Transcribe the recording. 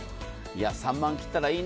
３万切ったらいいな。